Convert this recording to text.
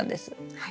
はい。